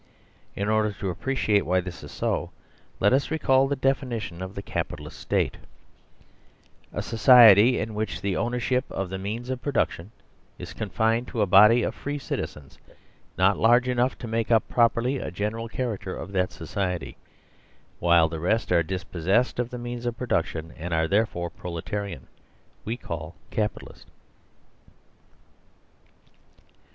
In order to appreciate why this is so, let us recall the definition of the Capitalist State : "A society in which the ownership of the means of production is confined to a body of free citizens, not large enough to make up properly a general char acter of that society, while the rest are dispossessed of the means of production, and are therefore prole tarian, we call Capitalist?